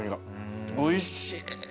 おいしい。